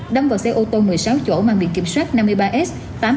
đâm vào xe ô tô một mươi sáu chỗ mà bị kiểm soát năm mươi ba s tám nghìn hai trăm tám mươi ba